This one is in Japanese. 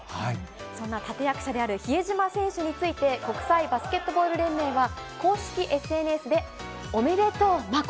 そんな立て役者である比江島選手について、国際バスケットボール連盟は公式ＳＮＳで、おめでとう、まこ！